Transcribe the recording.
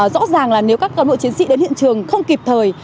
rõ ràng là nếu các con nội chiến sĩ đến hiện trường không kịp thời